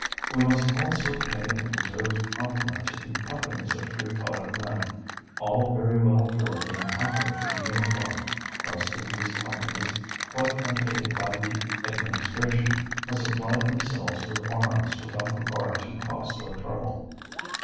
"We must also pay a deserved compliment to the companies of free colored men, all very well drilled and comfortably uniformed. Most of these companies, quite unaided by the administration, have supplied themselves with arms without regard to cost or trouble."